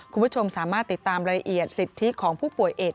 คุณผู้ชมสามารถติดตามรายละเอียดสิทธิของผู้ป่วยเอก